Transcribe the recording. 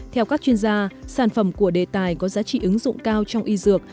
theo các chuyên gia sản phẩm của đề tài có giá trị ứng dụng cao trong y dược